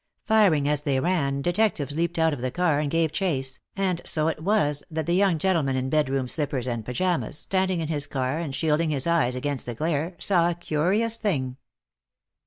Firing as they ran, detectives leaped out of the car and gave chase, and so it was that the young gentleman in bedroom slippers and pajamas, standing in his car and shielding his eyes against the glare, saw a curious thing.